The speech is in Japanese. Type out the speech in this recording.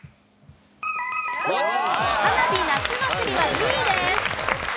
花火夏祭りは２位です。